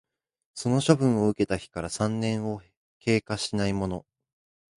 その処分を受けた日から三年を経過しないもの